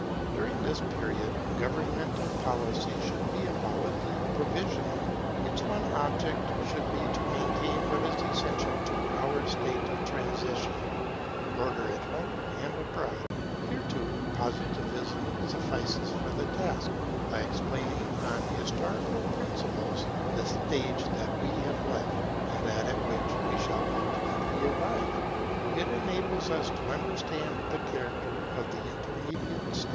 During this period governmental policy should be avowedly provisional; its one object should be to maintain what is so essential to our state of transition, Order, at home and abroad. Here, too, Positivism suffices for the task; by explaining on historical principles the stage that we have left, and that at which we shall ultimately arrive, it enables us to understand the character of the intermediate stage.